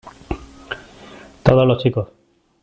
Todos los chicos.